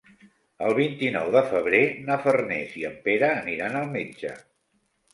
El vint-i-nou de febrer na Farners i en Pere aniran al metge.